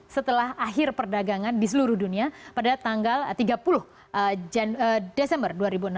setelah akhir perdagangan di seluruh dunia pada tanggal tiga puluh desember dua ribu enam belas